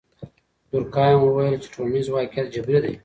دورکهایم وویل چې ټولنیز واقعیت جبري دی.